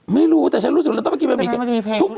ไม่รู้แต่ฉันรู้สึกว่าต้องไปกินบะหมี่เกี๊ยว